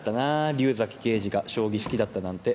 竜崎刑事が将棋好きだったなんて。